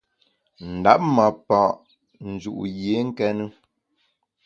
Ndap ma pa’ nju’ yié nkéne.